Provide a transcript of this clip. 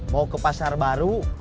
mau ke pasar baru